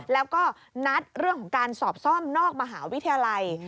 แล้วก็นัดเรื่องของการสอบซ่อมนอกมหาวิทยาลัย